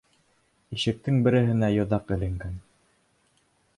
Ишектең береһенә йоҙаҡ эленгән.